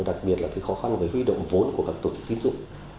đặc biệt là khó khăn với huy động vốn của các tổ chức tiến dụng